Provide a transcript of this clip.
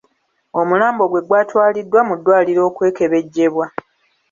Omulambo gwe gwatwaliddwa mu ddwaliro okwekebejjebwa.